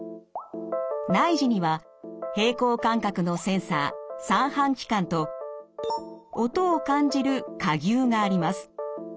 内耳には平衡感覚のセンサー三半規管と音を感じる蝸牛があります。